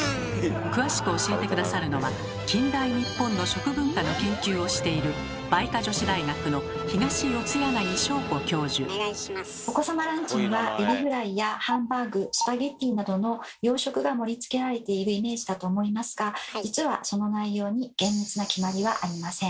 詳しく教えて下さるのは近代日本の食文化の研究をしているお子様ランチにはエビフライやハンバーグスパゲッティなどの洋食が盛りつけられているイメージだと思いますが実はその内容に厳密な決まりはありません。